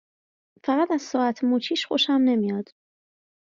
فقط از ساعت مچیش خوشم نمیاد